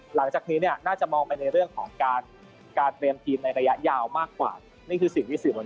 หลังจากนี้เนี่ยน่าจะมองไปในเรื่องของการการเตรียมทีมในระยะยาวมากกว่านี่คือสิ่งที่สื่อมวลชน